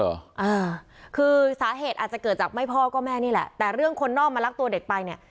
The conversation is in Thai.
อ่าคือสาเหตุอาจจะเกิดจากไม่พ่อก็แม่นี่แหละแต่เรื่องคนนอกมาลักตัวเด็กไปเนี่ย